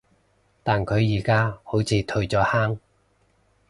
但佢而家好似退咗坑